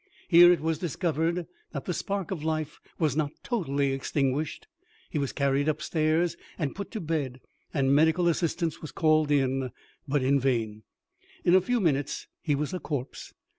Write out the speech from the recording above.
Here it was discovered that the spark of life was not totally extinguished. He was carried up stairs and put to bed, and medical assistance was called in; but in vain, in a few minutes he was a corpse.